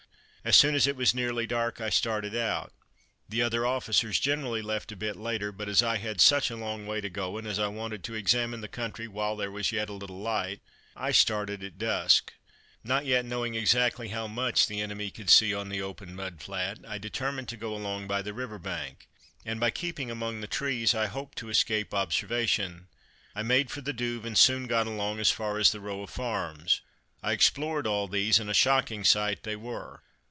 As soon as it was nearly dark I started out. The other officers generally left a bit later, but as I had such a long way to go, and as I wanted to examine the country while there was yet a little light, I started at dusk. Not yet knowing exactly how much the enemy could see on the open mud flat, I determined to go along by the river bank, and by keeping among the trees I hoped to escape observation. I made for the Douve, and soon got along as far as the row of farms. I explored all these, and a shocking sight they were.